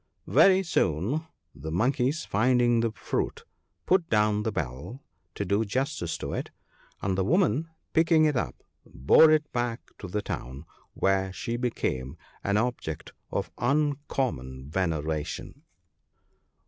Very soon the monkeys finding the fruit, put down the bell, to do justice to it, and the woman picking it up, bore it back to the town, where she became an object of uncommon veneration.